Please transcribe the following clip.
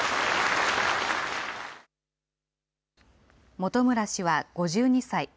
本村氏は５２歳。